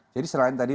jadi selain tadi